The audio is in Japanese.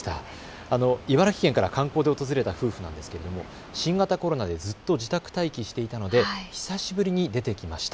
茨城県から観光で訪れた夫婦なんですけれども新型コロナでずっと自宅待機していたので久しぶりに出てきました。